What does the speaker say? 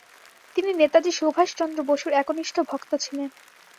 তিনি নেতাজী সুভাষচন্দ্র বসুর একনিষ্ঠ ভক্ত ছিলেন।